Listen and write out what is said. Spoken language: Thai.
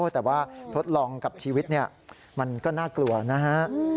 แต่ว่าทดลองกับชีวิตมันก็น่ากลัวนะฮะ